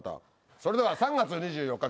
それでは３月２４日